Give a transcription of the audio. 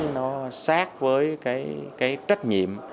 nó sát với cái trách nhiệm